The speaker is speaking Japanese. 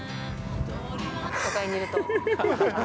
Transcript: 都会にいると。